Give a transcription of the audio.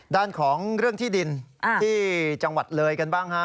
ด้านของเรื่องที่ดินที่จังหวัดเลยกันบ้างฮะ